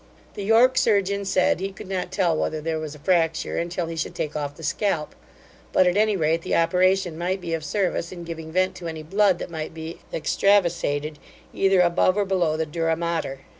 The York surgeon said he could not tell whether there was a fracture, until he should take off the scalp; but, at any rate, the operation might be of service in giving vent to any blood that might be extravasated, either above or below the dura mater.